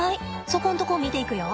そこんとこ見ていくよ。